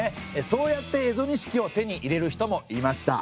そうやって蝦夷錦を手に入れる人もいました。